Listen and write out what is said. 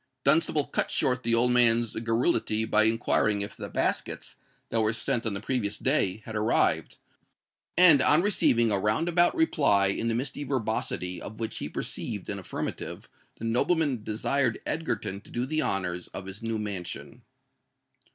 Dunstable cut short the old man's garrulity by inquiring if the baskets, that were sent on the previous day, had arrived; and, on receiving a round about reply in the misty verbosity of which he perceived an affirmative, the nobleman desired Egerton to do the honours of his new mansion.